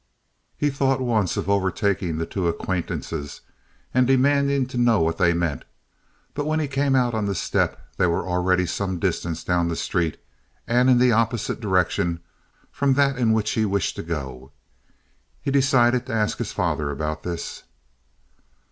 He thought once of overtaking the two acquaintances and demanding to know what they meant, but when he came out on the step they were already some distance down the street and in the opposite direction from that in which he wished to go. He decided to ask his father about this.